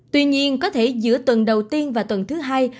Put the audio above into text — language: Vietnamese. tuy nhiên có thể giữa tuần đầu tiên và tuần thứ hai